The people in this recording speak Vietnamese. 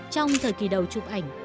trong thời kỳ đầu chụp ảnh